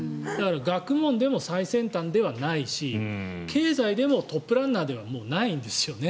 学問でも最先端ではないし経済でもトップランナーではもうないんですよね。